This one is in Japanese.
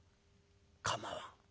構わん。